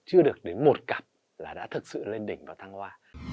chưa được đến một cặp là đã thực sự lên đỉnh và thăng hoa